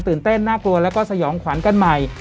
เต้นน่ากลัวแล้วก็สยองขวัญกันใหม่